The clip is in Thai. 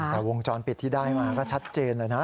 แต่วงจรปิดที่ได้มาก็ชัดเจนเลยนะ